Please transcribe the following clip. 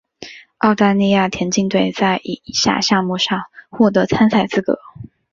澳大利亚田径队在以下项目上获得参赛资格。